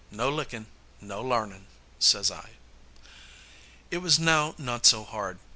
"No lickin', no larnin'," says I. It was now not so hard.